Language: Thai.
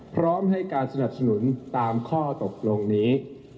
พร้อมให้การสนับสนุนตามข้อตกลงนี้